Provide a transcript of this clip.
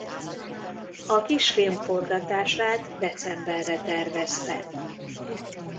A kisfilm forgatását decemberre tervezte.